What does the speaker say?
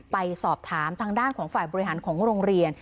ไปสอบถามทางด้านของฝ่ายบริหารของโรงเรียน